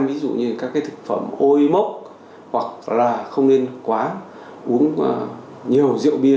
ví dụ như các cái thực phẩm ôi mốc hoặc là không nên quá uống nhiều rượu bia